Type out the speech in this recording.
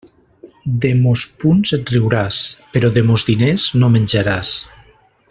De mos punts et riuràs, però de mos diners no menjaràs.